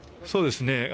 そうですね